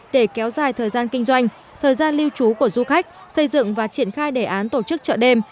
để kéo dài thời gian kinh doanh thời gian lưu trú của du khách xây dựng và triển khai đề án tổ chức chợ đêm